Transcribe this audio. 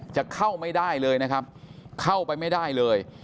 จะเข้าไม่ได้เลยนะครับเข้าไปไม่ได้เลย